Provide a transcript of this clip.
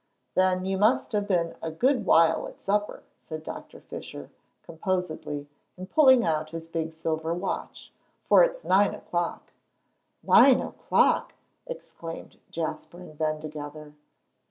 "Then you must have been a good while at supper," said Doctor Fisher, composedly, and pulling out his big silver watch, "for it's nine o'clock." "Nine o'clock!" exclaimed Jasper and Ben together.